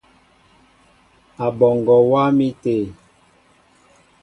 Aɓɔŋgɔ wá mi té.